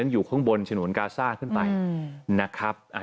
อยู่ข้างบนฉนวนกาซ่าขึ้นไป